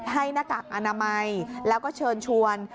หน้ากากอนามัยแล้วก็เชิญชวน